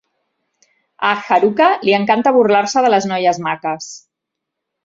A Haruka li encanta burlar-se de les noies maques.